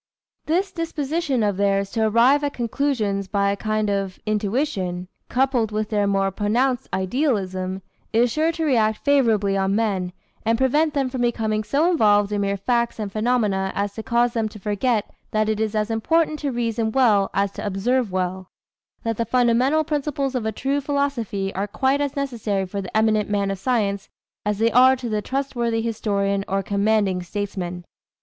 This disposition of theirs to arrive at conclusions by a kind of intuition, coupled with their more pronounced idealism, is sure to react favorably on men, and prevent them from becoming so involved in mere facts and phenomena as to cause them to forget that it is as important to reason well as to observe well that the fundamental principles of a true philosophy are quite as necessary for the eminent man of science as they are to the trustworthy historian or commanding statesman.